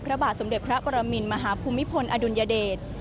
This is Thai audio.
พระบาทสมเด็จพระปรมินมหาภูมิพลอดุลยเดช